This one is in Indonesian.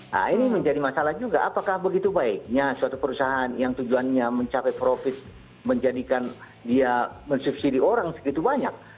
nah ini menjadi masalah juga apakah begitu baiknya suatu perusahaan yang tujuannya mencapai profit menjadikan dia mensubsidi orang segitu banyak